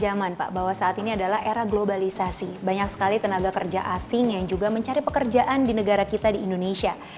zaman pak bahwa saat ini adalah era globalisasi banyak sekali tenaga kerja asing yang juga mencari pekerjaan di negara kita di indonesia